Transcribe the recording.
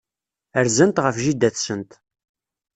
Rzant ɣef jida-tsent.